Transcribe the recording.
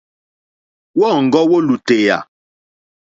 Wɔ́ɔ̌ŋɡɔ́ wó lùtèyà.